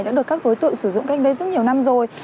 đã được các đối tượng sử dụng cách đây rất nhiều năm rồi